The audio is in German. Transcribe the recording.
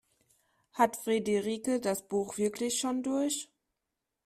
Hat Friederike das Buch wirklich schon durch?